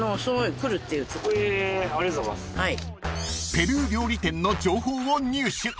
［ペルー料理店の情報を入手］